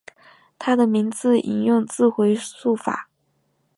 他的名字引用自回溯法。